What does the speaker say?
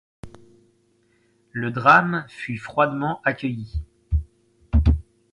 Le drame fut froidement accueilli.